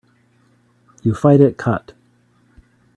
You fight it cut.